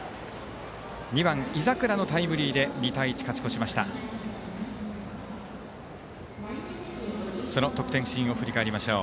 ２番、井櫻のタイムリーで２対１、勝ち越しました。